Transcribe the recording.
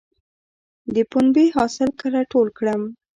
د پنبې حاصل کله ټول کړم؟